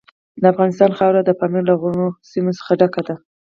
د افغانستان خاوره د پامیر له غرنیو سیمو څخه ډکه ده.